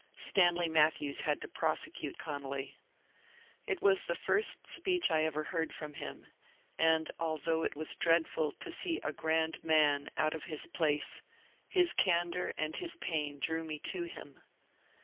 Stanley Matthews had to prosecute Conolly. It was the first speech I ever heard from him, and although it was dreadful to see a g^rand man out of his place, his candour and his pain drew me to him.